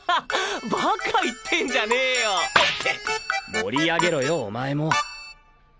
盛り上げろよお前も。